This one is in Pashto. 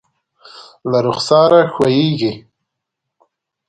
له رخسار ښویېږي